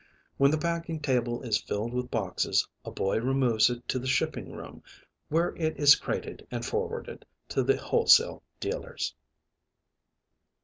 When the packing table is filled with boxes a boy removes it to the shipping room, where it is crated and forwarded to the wholesale dealers.